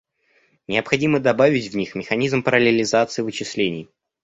Необходимо добавить в них механизм параллелизации вычислений